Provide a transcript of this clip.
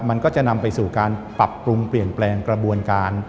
มันก็จะนำไปสู่การปรับปรุงเปลี่ยนแปลงกระบวนการ